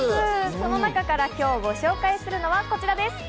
その中から今日、ご紹介するのはこちらです。